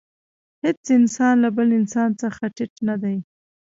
هېڅ انسان له بل انسان څخه ټیټ نه دی.